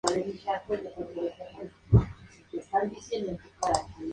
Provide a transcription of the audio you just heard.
Con grandes esfuerzos, consiguió recomponer el poder del estado asirio.